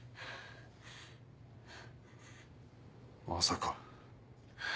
まさか。